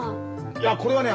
いやこれはね